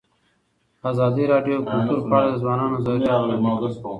ازادي راډیو د کلتور په اړه د ځوانانو نظریات وړاندې کړي.